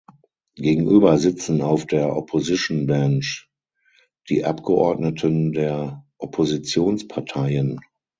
Gegenüber sitzen auf der "Opposition bench" die Abgeordneten der Oppositionsparteien.